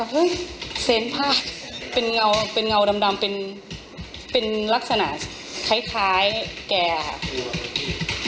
เห้ยเสร็จพลาดเป็นเงาเป็นเงาดำดำเป็นเป็นลักษณะใคร้แก่อ่ะ